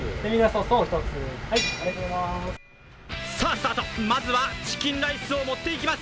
スタート、まずはチキンライスを持っていきます